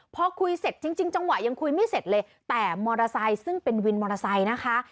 พอคุยเสร็จจริงจังหวะยังคุยไม่เสร็จเลยแต่มอเตอร์ไซค์ซึ่งเป็นวินมอเตอร์ไซค์นะคะ